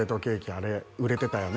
あれ売れてたよね」